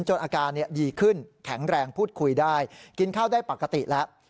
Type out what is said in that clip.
อาการดีขึ้นแข็งแรงพูดคุยได้กินข้าวได้ปกติแล้ว